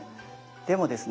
でもですね